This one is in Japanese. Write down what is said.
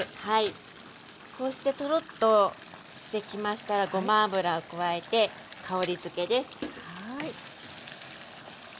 こうしてトロッとしてきましたらごま油を加えて香りづけです。